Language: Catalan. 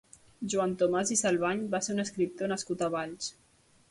Joan Tomàs i Salvany va ser un escriptor nascut a Valls.